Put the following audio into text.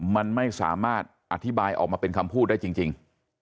มันไม่สามารถอธิบายออกมาเป็นคำพูดได้จริง